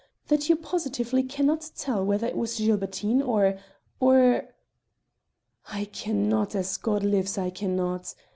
That you positively can not tell whether it was Gilbertine or or " "I can not; as God lives, I can not.